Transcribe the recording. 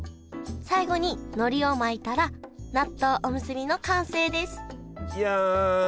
最後にのりを巻いたら納豆おむすびの完成ですいや。